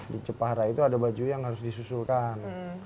di jepara itu ada baju yang harus disusulkan